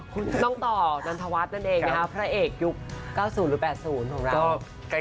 คุณน้องต่อนันทวัฒน์นั่นเองนะคะพระเอกยุค๙๐หรือ๘๐ของเรา